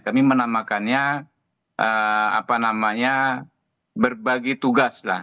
kami menamakannya apa namanya berbagi tugas lah